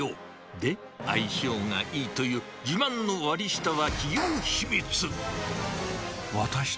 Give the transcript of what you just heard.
で、相性がいいという自慢の割り下は企業秘密。